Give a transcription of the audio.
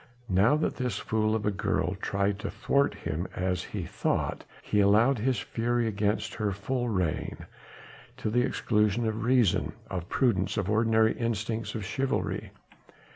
Now that this fool of a girl tried to thwart him as he thought, he allowed his fury against her full rein, to the exclusion of reason, of prudence, or ordinary instincts of chivalry.